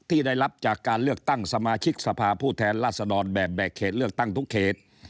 ที่ได้รับจากการเลือกตั้งสมาชิกสภาผู้แทนราษฎรแบบแบกเขตเลือกตั้งทุกเขต